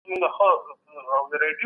اصلي هدف د اثر تفسیر دئ.